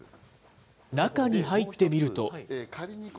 中に入ってみると。